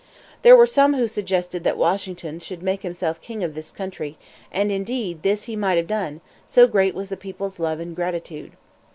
There were some who suggested that Washington should make himself king of this country; and indeed this he might have done, so great was the people's love and gratitude.